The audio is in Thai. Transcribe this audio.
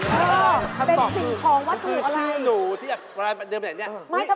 เป็นสิ่งของว่าถูกอะไรคำบอกคือคือชื่อนูที่อยากเวลาเดินไปแบบนี้